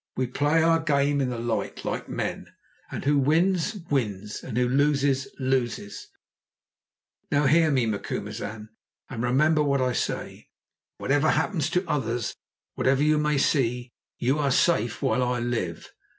We play our game in the light, like men, and who wins, wins, and who loses, loses. Now hear me, Macumazahn, and remember what I say. Whatever happens to others, whatever you may see, you are safe while I live.